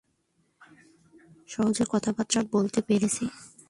সহজে কথাবার্তা বলতে পেরেছি।